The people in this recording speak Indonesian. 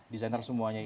desainer semuanya ini